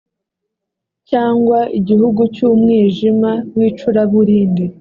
cyangwa igihugu cy umwijima w icuraburindi